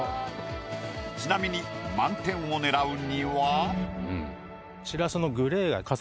ちなみに満点を狙うには。